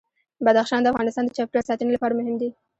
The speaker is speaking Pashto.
بدخشان د افغانستان د چاپیریال ساتنې لپاره مهم دي.